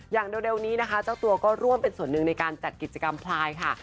อย่างเร็วนี้นะคะเจ้าตัวก็ร่วมเป็นส่วนหนึ่งในการจัดกิจกรรมพลายค่ะ